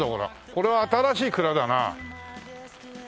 これは新しい蔵だな。